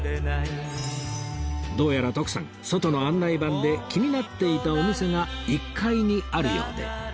どうやら徳さん外の案内板で気になっていたお店が１階にあるようで